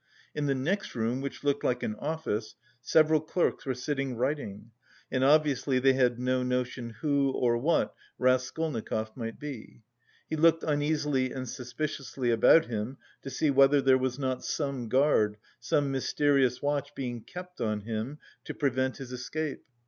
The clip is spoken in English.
In the next room which looked like an office, several clerks were sitting writing and obviously they had no notion who or what Raskolnikov might be. He looked uneasily and suspiciously about him to see whether there was not some guard, some mysterious watch being kept on him to prevent his escape.